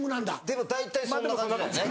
でも大体そんな感じだよね。